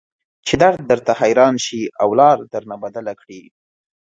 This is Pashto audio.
چې درد درته حيران شي او لار درنه بدله کړي.